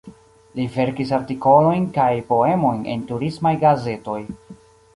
Li verkis artikolojn kaj poemojn en turismaj gazetoj.